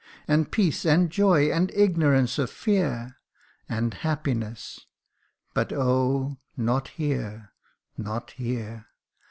And peace, and joy, and ignorance of fear, And happiness but oh ! not here ! not here